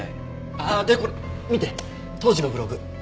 ああでこれ見て当時のブログ。